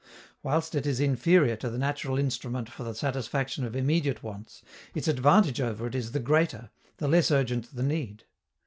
Whilst it is inferior to the natural instrument for the satisfaction of immediate wants, its advantage over it is the greater, the less urgent the need.